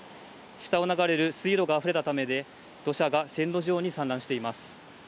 下を流れる水路があふれたためで、土砂が線路上に散乱しています。